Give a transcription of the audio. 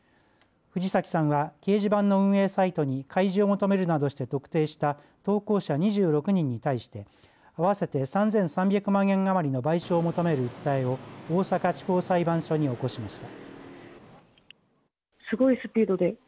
藤崎さんは掲示板の運営サイトに開示を求めるなどして特定した投稿者２６人に対して合わせて３３００円万円余りの賠償を求める訴えを大阪地方裁判所に起こしました。